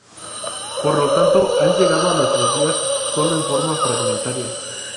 Por lo tanto, han llegado a nuestros días sólo en forma fragmentaria.